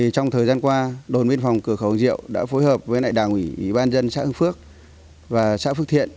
trong thời gian qua đội biên phòng cửa khẩu hồng diệu đã phối hợp với đảng ủy ban dân xã hưng phước và xã phước thiện